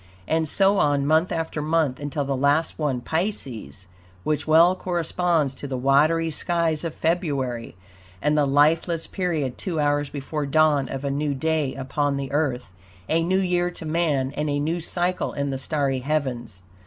And so on month after month, until the last one, Pisces, which well corresponds to the watery skies of February and the lifeless period two hours before dawn of a new day upon the Earth, a new year to man and a new cycle in the starry heavens.